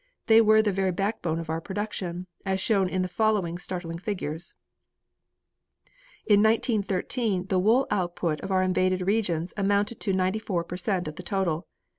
They were the very backbone of our production, as shown in the following startling figures: "In 1913 the wool output of our invaded regions amounted to 94 per cent of the total.